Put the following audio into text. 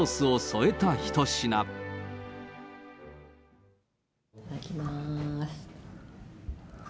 いただきます。